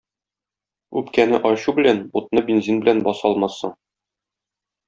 Үпкәне ачу белән, утны бензин белән баса алмассың.